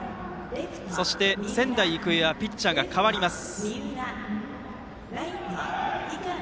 仙台育英はピッチャーが代わります。